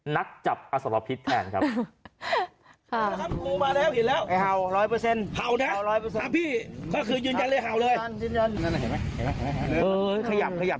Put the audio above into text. นักจับอสรพิษแทนครับ